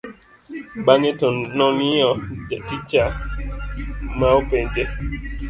bang'e to nong'iyo jatijcha ma openje